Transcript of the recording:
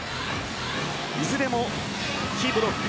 いずれも被ブロック